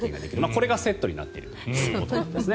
これがセットになっているということです。